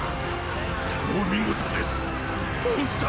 お見事です賁様！